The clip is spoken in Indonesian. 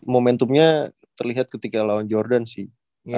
momentumnya terlihat ketika lawan jordan sih